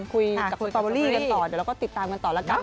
คุยกับคุณตอเบอรี่กันต่อเดี๋ยวเราก็ติดตามกันต่อแล้วกัน